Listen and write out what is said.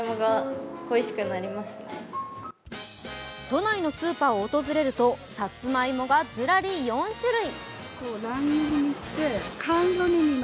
都内のスーパーを訪れるとさつまいもがズラリ４種類。